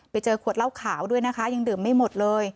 ไปเจอขวดเหล้าขาวด้วยนะคะยังดื่มไม่หมดเลย